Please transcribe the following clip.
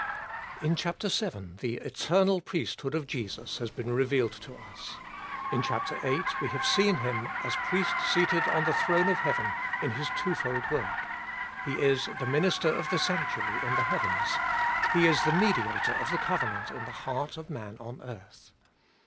IN chap. vii. the eternal priesthood of Jesus has been revealed to us. In chap. viii. we have seen Him, as Priest seated on the throne of heaven in His twofold work. He is the Minister of the sanctuary in the heavens. He is the Mediator of the covenant in the heart of man on earth.